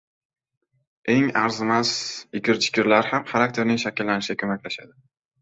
Eng arzimas ikir-chikirlar ham xarakterning shakllanishiga ko‘maklashadi.